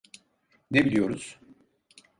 Ne biliyoruz?